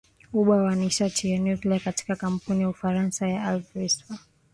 aba wa nishati ya nuclear katika kampuni ya ufaransa ya al riva